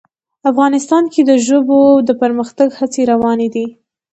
افغانستان کې د ژبو د پرمختګ هڅې روانې دي.